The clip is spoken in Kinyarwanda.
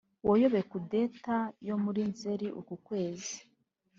wayoboye kudeta yo muri Nzeri uku kwezi